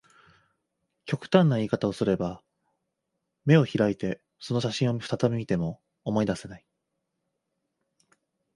極端な言い方をすれば、眼を開いてその写真を再び見ても、思い出せない